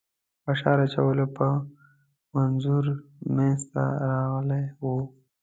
فشار اچولو په منظور منځته راغلی وو.